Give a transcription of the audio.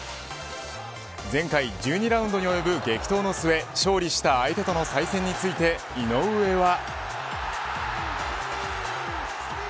前回１２ラウンドに及ぶ激闘の末勝利した相手との再戦について、井上は。